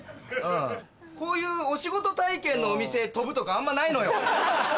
こういうお仕事体験のお店飛ぶとかあんまりないのよ。